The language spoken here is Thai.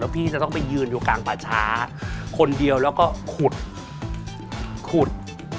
พี่จะต้องไปยืนอยู่กลางป่าช้าคนเดียวแล้วก็ขุดขุด